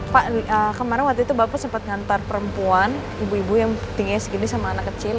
pak kemarin waktu itu bapak sempat ngantar perempuan ibu ibu yang tingginya segini sama anak kecil